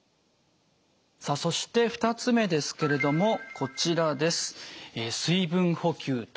さあそして２つ目ですけれどもこちらです。